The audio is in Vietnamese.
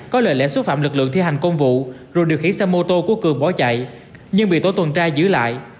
có lời lẽ xúc phạm lực lượng thi hành công vụ rồi điều khiển xe mô tô của cường bỏ chạy nhưng bị tổ tuần tra giữ lại